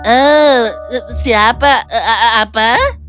oh siapa apa